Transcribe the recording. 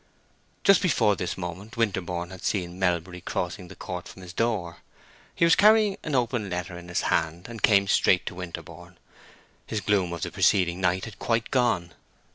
Just before this moment Winterborne had seen Melbury crossing the court from his door. He was carrying an open letter in his hand, and came straight to Winterborne. His gloom of the preceding night had quite gone.